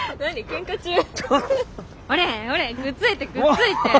くっついてくっついて。